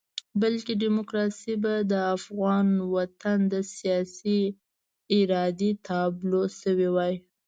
بلکې ډیموکراسي به د افغان وطن د سیاسي ارادې تابلو شوې وای.